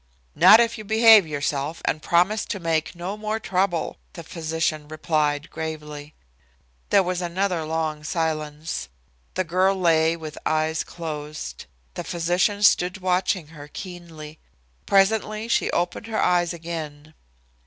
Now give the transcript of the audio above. "Not if you behave yourself and promise to make no more trouble," the physician replied gravely. There was another long silence. The girl lay with eyes closed. The physician stood watching her keenly. Presently she opened her eyes again.